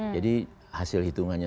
jadi hasil hitungannya